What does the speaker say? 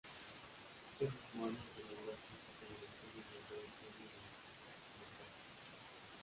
Este mismo año logró hacerse con la victoria en el Gran Premio de Macau.